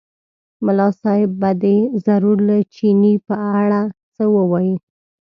ملا صاحب به دی ضرور له چیني په اړه څه ووایي.